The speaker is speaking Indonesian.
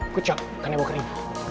kucok kan ebu kering